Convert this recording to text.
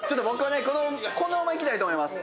このままいきたいと思います。